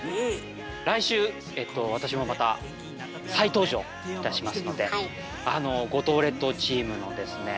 来週えと私もまた再登場いたしますのであの五島列島チームのですね